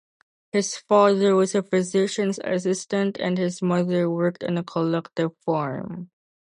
His father was a physician's assistant and his mother worked on a collective farm.